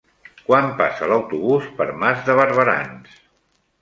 Quan passa l'autobús per Mas de Barberans?